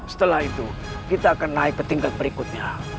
setelah itu kita akan naik ke tingkat berikutnya